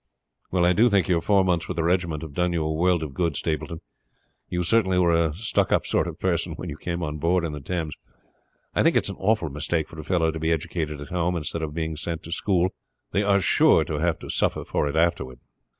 "Well, I do think your four months with the regiment have done you a world of good, Stapleton. You certainly were a stuck up sort of personage when you came on board in the Thames. I think it is an awful mistake for a fellow to be educated at home, instead of being sent to school; they are sure to have to suffer for it afterward."